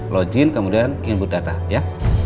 login kemudian input data ya